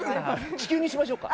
地球にしましょうか？